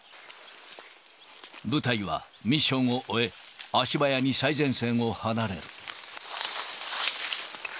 部隊はミッションを終え、足早に最前線を離れる。